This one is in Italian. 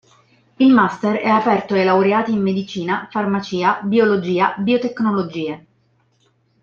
Il Master è aperto ai laureati in Medicina, Farmacia, Biologia, Biotecnologie.